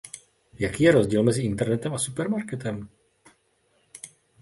Jaký je rozdíl mezi internetem a supermarketem?